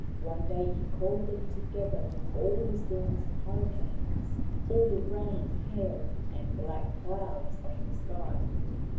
One day he called them, together with all the storms and hurricanes, all the rain, hail, and black clouds of the sky.